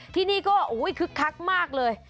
ที่นี่ก็คึกคักมากเลย